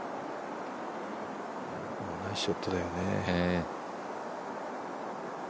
ナイスショットだよね。